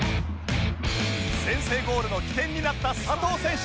先制ゴールの起点になった佐藤選手